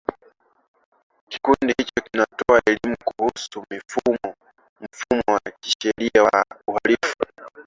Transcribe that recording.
Kikundi hicho kinatoa elimu kuhusu mfumo wa kisheria wa uhalifu